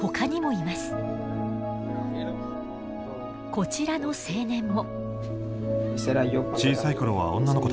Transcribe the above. こちらの青年も。